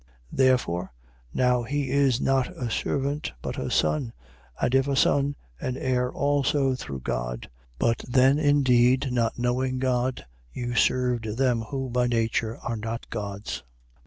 4:7. Therefore, now he is not a servant, but a son. And if a son, an heir also through God. 4:8. But then indeed, not knowing God, you served them who, by nature, are not gods.